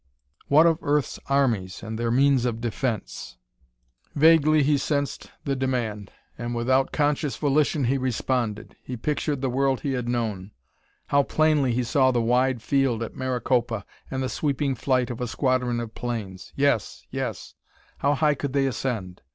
What of Earth's armies and their means of defense? Vaguely he sensed the demand, and without conscious volition he responded. He pictured the world he had known; how plainly he saw the wide field at Maricopa, and the sweeping flight of a squadron of planes! _Yes yes! How high could they ascend?